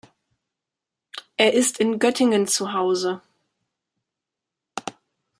Er ist in Göttingen zuhause.